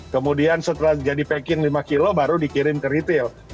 kemudian setelah jadi packing lima kilo baru dikirim ke retail